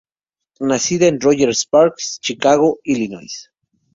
Nacida en Rogers Park, Chicago, Illinois.